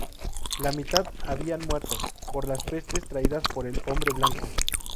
La mitad habían muerto por las pestes traídas por el hombre blanco.